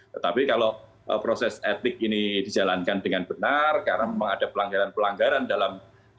tetapi kalau proses etik ini dijalankan dengan benar karena memang ada pelanggaran pelanggaran dalam